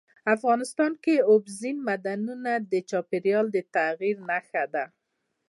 افغانستان کې اوبزین معدنونه د چاپېریال د تغیر نښه ده.